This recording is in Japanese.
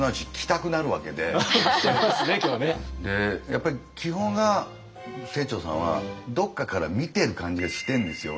やっぱり基本が清張さんはどっかから見てる感じがしてんですよ